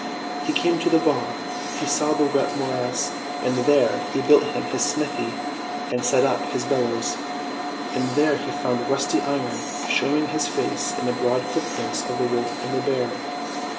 He came to the bog; he saw the wet morass, and there he built him his smithy and set up his bellows. And there he found rusty Iron showing his face in the broad footprints of the Wolf and the Bear.